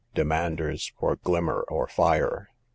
Demanders for Glimmer or Fire.